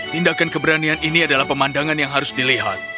tindakan keberanian ini adalah pemandangan yang harus dilihat